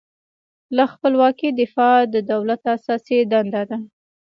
له خپلواکۍ دفاع د دولت اساسي دنده ده.